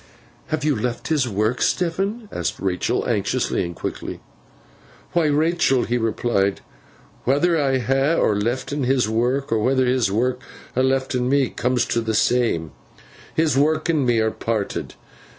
'Have you left his work, Stephen?' asked Rachael, anxiously and quickly. 'Why, Rachael,' he replied, 'whether I ha lef'n his work, or whether his work ha lef'n me, cooms t' th' same. His work and me are parted.